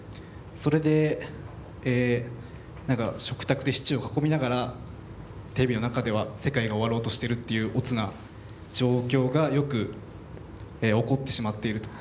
それで何か食卓でシチューを囲みながらテレビの中では世界が終わろうとしてるっていうおつな状況がよく起こってしまっていると。